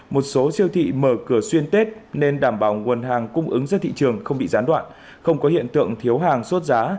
một số siêu thị mở cửa xuyên tết nên đảm bảo nguồn hàng cung ứng ra thị trường không bị gián đoạn không có hiện tượng thiếu hàng sốt giá